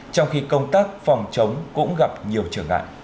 trong khi công tác phòng chống cũng gặp nhiều trở ngại